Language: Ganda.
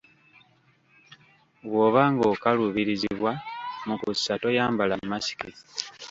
Bw’oba ng’okaluubirizibwa mu kussa, toyambala masiki.